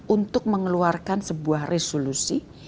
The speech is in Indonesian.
untuk mengeluarkan sebuah resolusi